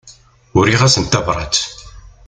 Uriɣ-asen tabrat.